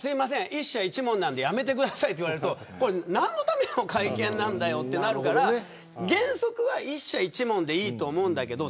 １社１問なんでやめてくださいと言われると何のための会見なんだよとなるから原則は１社１問でいいと思うんだけど。